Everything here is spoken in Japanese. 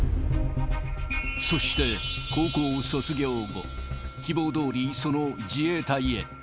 そして、高校を卒業後、希望どおり、その自衛隊へ。